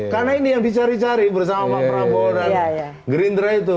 karena ini yang dicari cari bersama pak prabowo dan gerindra itu